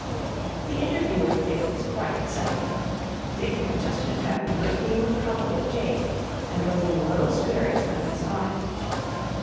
The interview with Dick was quite exciting. Dick had just been having a great deal of trouble with Jake, and was in low spirits when they saw him.